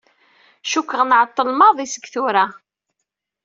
Cukkeɣ nɛeṭṭel maḍi seg tura.